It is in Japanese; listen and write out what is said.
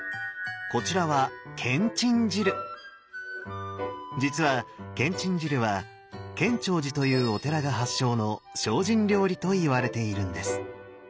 こちらは実はけんちん汁は建長寺というお寺が発祥の精進料理といわれているんです。